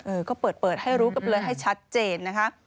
เออก็เปิดเปิดให้รู้กันเลยให้ชัดเจนนะคะ